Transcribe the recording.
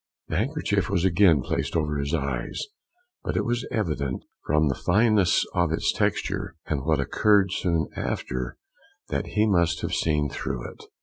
The handkerchief was again placed over his eyes, but it was evident, from the fineness of its texture, and what occurred soon afterwards, that he must have seen through it.